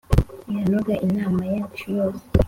iranoga inama yacu zose